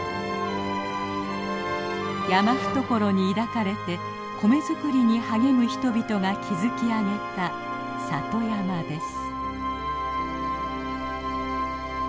山懐に抱かれて米作りに励む人々が築き上げた里山です。